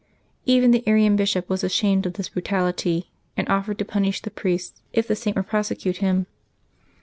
Even the Arian bishop was ashamed of this bru tality, and offered to punish the priest if the Saint would prosecute him.